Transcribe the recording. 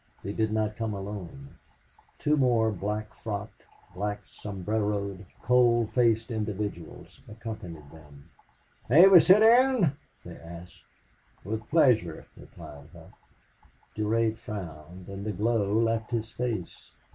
They did not come alone. Two more black frocked, black sombreroed, cold faced individuals accompanied them. "May we sit in?" they asked. "With pleasure," replied Hough. Durade frowned and the glow left his face.